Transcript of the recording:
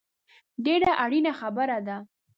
ډېره اړینه خبره ده